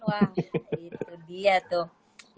wah itu dia tuh